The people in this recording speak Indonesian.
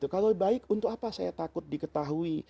kalau baik untuk apa saya takut diketahui